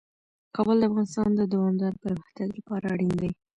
کابل د افغانستان د دوامداره پرمختګ لپاره اړین دي.